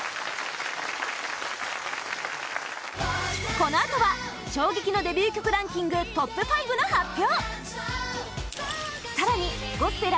このあとは衝撃のデビュー曲ランキングトップ５の発表